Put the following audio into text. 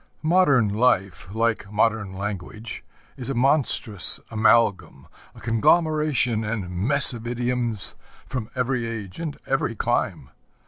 Modern life, like modern language, is a monstrous amalgam, a conglomeration and mess of idioms from every age and every clime.